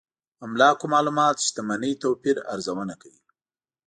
املاکو معلومات شتمنۍ توپير ارزونه کوي.